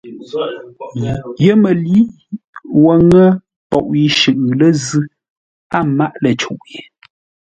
YƏMƏLǏ wo ŋə́ poʼ yi shʉʼʉ lə́ zʉ́, a máʼ lə̂ cûʼ yé.